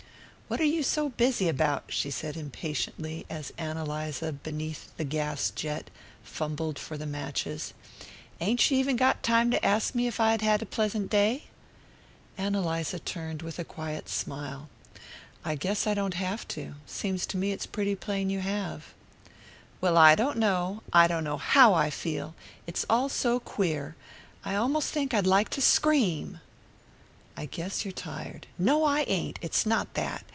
"What are you so busy about?" she said impatiently, as Ann Eliza, beneath the gas jet, fumbled for the matches. "Ain't you even got time to ask me if I'd had a pleasant day?" Ann Eliza turned with a quiet smile. "I guess I don't have to. Seems to me it's pretty plain you have." "Well, I don't know. I don't know HOW I feel it's all so queer. I almost think I'd like to scream." "I guess you're tired." "No, I ain't. It's not that.